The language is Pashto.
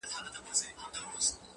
راځه جهاني جوړ سو د پردېسو اوښکو کلی.!